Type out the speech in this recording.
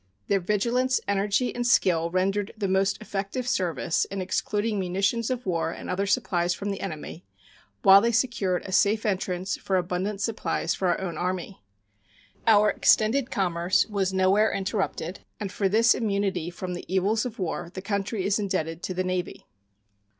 Their vigilance, energy, and skill rendered the most effective service in excluding munitions of war and other supplies from the enemy, while they secured a safe entrance for abundant supplies for our own Army. Our extended commerce was nowhere interrupted, and for this immunity from the evils of war the country is indebted to the Navy.